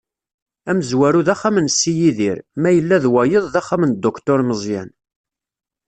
Amezwaru d axxam n si Yidir, ma yella d wayeḍ d axxam n Dduktur Meẓyan.